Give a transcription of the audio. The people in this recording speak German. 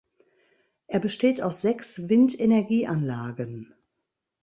Er besteht aus sechs Windenergieanlagen.